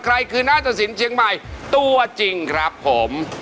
ใครคือหน้าตะสินเชียงใหม่ตัวจริงครับผม